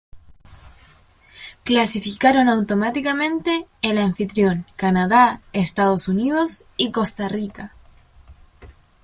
Clasificaron automáticamente el anfitrión Canadá, Estados Unidos y Costa Rica.